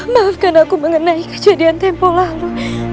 maafkan aku mengenai kejadian tempo lalu